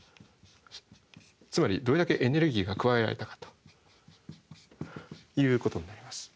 つまりどれだけエネルギーが加えられたかということになります。